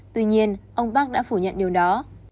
tuy nhiên ông park đã phủ nhận điều đó